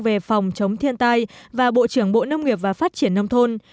về phòng chống thiên tai và bộ trưởng bộ nông nghiệp và phát triển nông thôn